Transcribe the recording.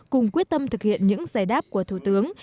cùng quyết tâm thực hiện những giải đáp của thủ tướng